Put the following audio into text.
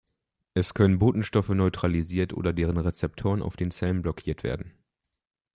Es können Botenstoffe neutralisiert oder deren Rezeptoren auf den Zellen blockiert werden.